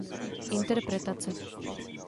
Interpretace.